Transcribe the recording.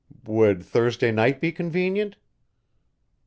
Would Thursday night be convenient?"